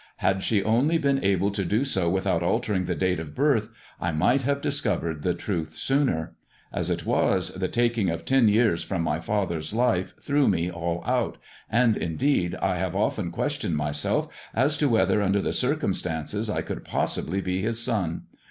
Had she only been able to do so without altering the date of birth, I might have discovered the truth sooner. As it was, the taking of ten years from my father's life threw me all out; and, indeed, I have often questioned myself as to whether, Under the circumstances, I could possibly be his son.